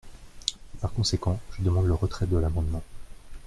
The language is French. Par conséquent, je demande le retrait de l’amendement.